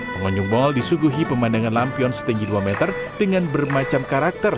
pengunjung mal disuguhi pemandangan lampion setinggi dua meter dengan bermacam karakter